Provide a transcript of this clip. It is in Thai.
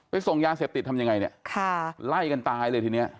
ไปส่งยาเสพติดทำอย่างไรไล่กันตายเลยทีนี้